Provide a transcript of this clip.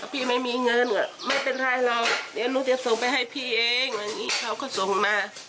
พี่ไม่มีเงินไม่เป็นไรหรอกหนูจะส่งไปให้พี่เองเขาก็ส่งมา